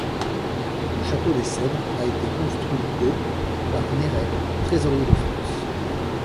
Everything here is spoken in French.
Le château des Cèdres a été construit au par Néret, Trésorier de France.